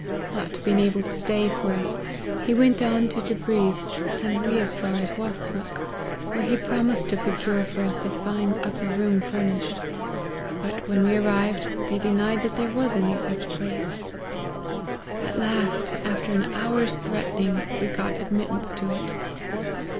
Not being able to stay for us, he went on to Tebriz, and we as far as Wasmuch, where he promised to procure for us a fine upper room fur nished ; but when we arrived, they denied that there was any such place ; at last, after an hour's threatening, we got admittance to it.